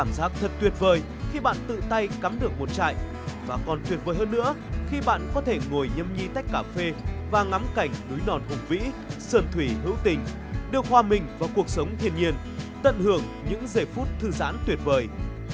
cảm giác thật tuyệt vời khi bạn tự tay cắm được một trại và còn tuyệt vời hơn nữa khi bạn có thể ngồi nhâm nhi tách cà phê và ngắm cảnh núi đòn hùng vĩ sườn thủy hữu tình đưa hòa mình vào cuộc sống thiên nhiên tận hưởng những giây phút thư giãn tuyệt vời